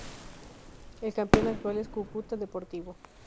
El campeón actual es Cúcuta Deportivo.